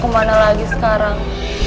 kemana lagi sekarang